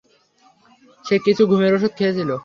সে কিছু ঘুমের ওষুধ খেয়েছিল।